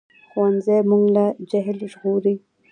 ښوونځی موږ له جهل ژغوري